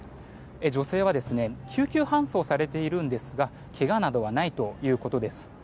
女性は救急搬送されているんですがけがなどはないということです。